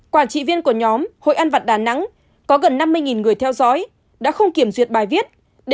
quản trị viên của nhóm hội ăn vặt đà nẵng có gần năm mươi người theo dõi đã không kiểm duyệt bài viết